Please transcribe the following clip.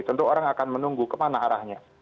tentu orang akan menunggu kemana arahnya